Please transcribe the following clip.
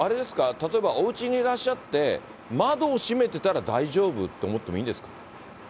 例えば、おうちにいらっしゃって、窓を閉めてたら大丈夫と思ってていいんですか？